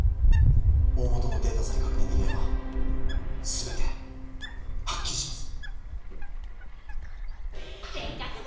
大もとのデータさえ確認できれば全てはっきりします